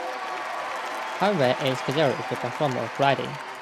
Hawkey is scheduled to perform on Friday.